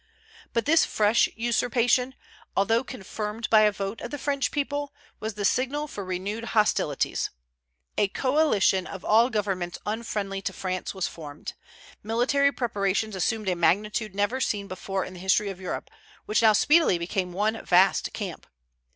But this fresh usurpation, although confirmed by a vote of the French people, was the signal for renewed hostilities. A coalition of all governments unfriendly to France was formed. Military preparations assumed a magnitude never seen before in the history of Europe, which now speedily became one vast camp.